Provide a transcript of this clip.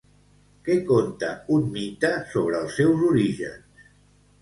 Què conta un mite sobre els seus orígens?